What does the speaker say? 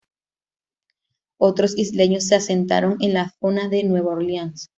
Otros isleños se asentaron en la zona de Nueva Orleans.